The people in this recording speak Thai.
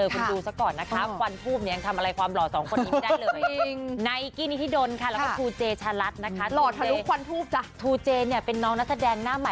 คุณผู้ชมนี่ฉันไปที่วัดจุกเชิงคุณดูซะก่อนนะคะ